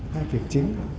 hai việc chính